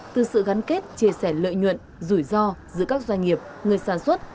từ sự gắn kết chia sẻ lợi nhuận rủi ro giữa các doanh nghiệp người sản xuất